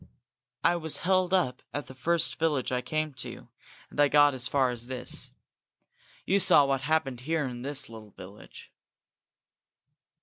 I was held up at the first village I came to, and I got as far as this. You saw what happened here in this little village."